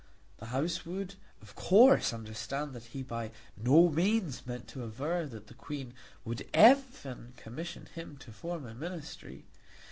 The House would of course understand that he by no means meant to aver that the Queen would even commission him to form a Ministry.